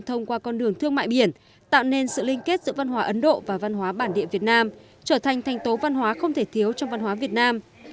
thông qua con đường thương mại biển tạo nên sự liên kết giữa văn hóa ấn độ và văn hóa bản địa việt nam trở thành thành tố văn hóa không thể thiếu trong văn hóa việt nam